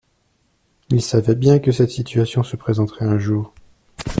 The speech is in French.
Il savait bien que cette situation se présenterait un jour.